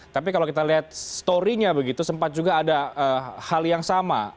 tapi kalau kita lihat story nya begitu sempat juga ada hal yang sama